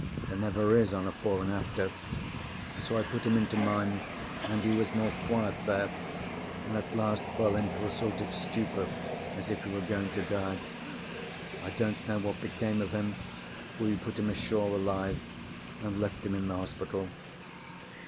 There never is on a fore and after. So I put him into mine, and he was more quiet there, and at last fell into a sort of stupor as if he were going to die. I don't know what became of him, for we put him ashore alive and left him in the hospital.